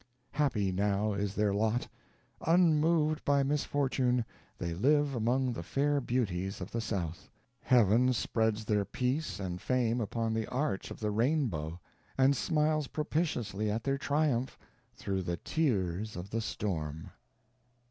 Happy now is their lot! Unmoved by misfortune, they live among the fair beauties of the South. Heaven spreads their peace and fame upon the arch of the rainbow, and smiles propitiously at their triumph, _through the tears of the storm.